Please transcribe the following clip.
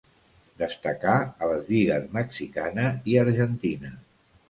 Destacà a les lligues mexicana i argentina.